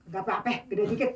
gapapa gede dikit